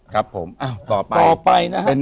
ครับผมต่อไป